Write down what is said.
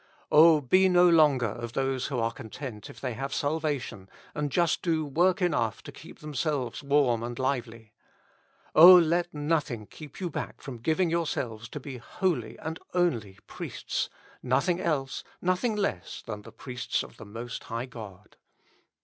Oh, be no longer of those who are con tent if they have salvation, and just do work enough to keep themselves warm and lively. O let nothing keep you back from giving yourselves to be wholly and only priests— nothing else, nothing less than the priests of the Most High God.